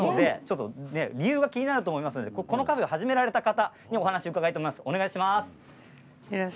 理由が気になると思うんですけれども、このカフェを始められた方にお話を伺います。